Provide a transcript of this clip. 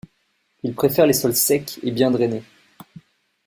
Il préfère les sols secs et bien drainés.